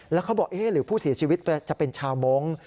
แล้วเขาบอกเอ๊ะหรือผู้เสียชีวิตจะเป็นชาวมงค์